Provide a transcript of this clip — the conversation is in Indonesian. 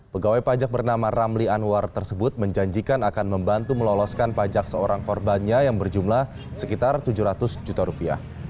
pegawai pajak bernama ramli anwar tersebut menjanjikan akan membantu meloloskan pajak seorang korbannya yang berjumlah sekitar tujuh ratus juta rupiah